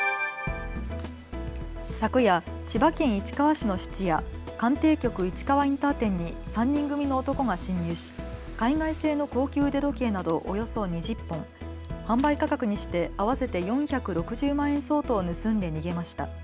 昨夜、千葉県市川市の質屋、かんてい局市川インター店に３人組の男が侵入し、海外製の高級腕時計などおよそ２０本販売価格にして合わせて４６０万円相当盗んで逃げました。